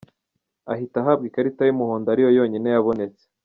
ahita ahabwa ikarita yumuhondo ari yo yonyine yabonetse.